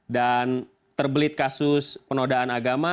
dan terbelit kasus penodaan agama